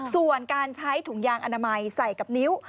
ส่วนการใช้ถุงยางอนามัยใส่กับนิ้ว